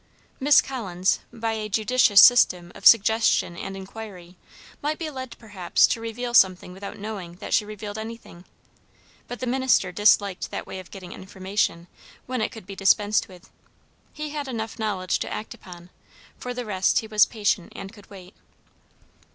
Miss Collins, by a judicious system of suggestion and inquiry, might be led perhaps to reveal something without knowing that she revealed anything; but the minister disliked that way of getting information when it could be dispensed with. He had enough knowledge to act upon; for the rest he was patient, and could wait.